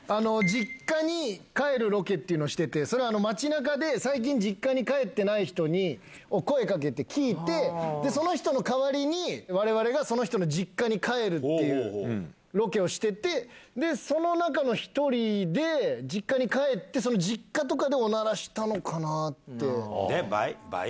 実家に帰るロケっていうのをしてて、それは街なかで、最近実家に帰ってない人に、声かけて聞いて、その人の代わりにわれわれがその人の実家に帰るっていうロケをしてて、その中の１人で、実家に帰って、その実家とかでおならしたのかなって。ｂｙ？